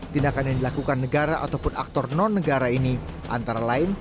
tindakan yang dilakukan negara ataupun aktor non negara ini antara lain